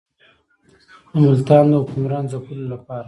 د ملتان د حکمران ځپلو لپاره.